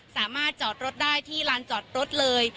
สามารถจอดรถได้ที่ลานจอดรถเลย